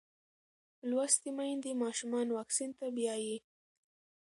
لوستې میندې ماشومان واکسین ته بیايي.